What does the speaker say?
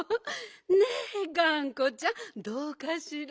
ねえがんこちゃんどうかしら？